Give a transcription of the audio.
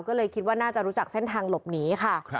ก็เลยคิดว่าน่าจะรู้จักเส้นทางหลบหนีค่ะ